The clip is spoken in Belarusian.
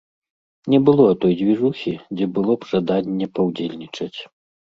Не было той дзвіжухі, дзе было б жаданне паўдзельнічаць.